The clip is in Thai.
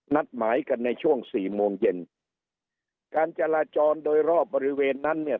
นัดหมายกันในช่วงสี่โมงเย็นการจราจรโดยรอบบริเวณนั้นเนี่ย